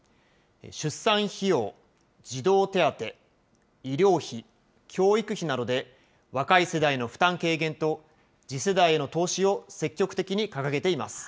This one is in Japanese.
出産費用、児童手当、医療費、教育費などで、若い世代の負担軽減と、次世代への投資を積極的に掲げています。